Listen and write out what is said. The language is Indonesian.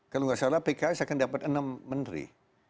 kalau nggak salah pks akan dapat enam menteri